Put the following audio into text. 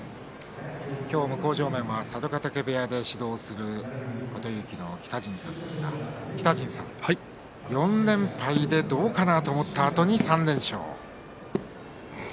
向正面は佐渡ヶ嶽部屋で指導する琴勇輝の北陣さんですが４連敗でどうかなと思ったあとに３連勝。